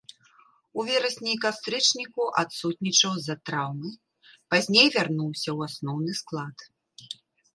У верасні і кастрычніку адсутнічаў з-за траўмы, пазней вярнуўся ў асноўны склад.